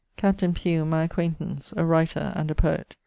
Captain Pugh, my acquaintance, a writer and a poet.